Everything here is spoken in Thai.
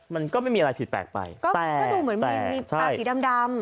มันก็ไม่มีอะไรผิดแปลกไปก็แต่ก็ดูเหมือนมีตาสีดำดำ